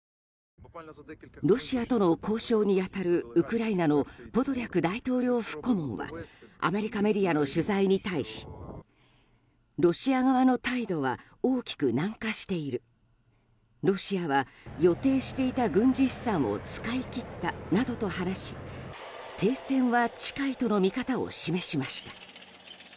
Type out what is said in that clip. ロシアとの交渉に当たるウクライナのポドリャク大統領府顧問はアメリカメディアの取材に対しロシア側の態度は大きく軟化しているロシアは予定していた軍事資産を使い切ったなどと話し停戦は近いとの見方を示しました。